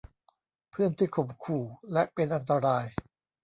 เพื่อนที่ข่มขู่และเป็นอันตราย